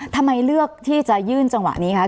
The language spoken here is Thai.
ทำไมเลือกที่จะยื่นจังหวะนี้คะ